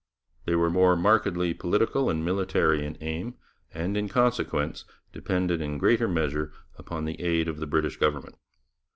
They were more markedly political and military in aim, and in consequence depended in greater measure upon the aid of the British government.